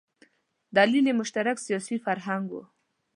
دلیل یې مشترک سیاسي فرهنګ و.